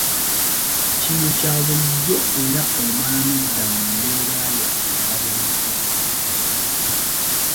Kino kya bulijjo era omala n'odda mu mbeera yo eya bulijjo.